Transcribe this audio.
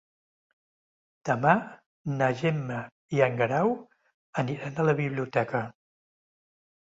Demà na Gemma i en Guerau aniran a la biblioteca.